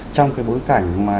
trong cái bối cảnh mà